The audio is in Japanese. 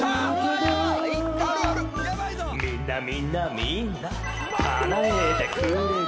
「みんなみんなみんなかなえてくれる」